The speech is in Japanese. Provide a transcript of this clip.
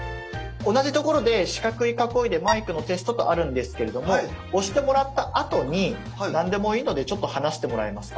同じところで四角い囲いで「マイクのテスト」とあるんですけれども押してもらったあとに何でもいいのでちょっと話してもらえますか？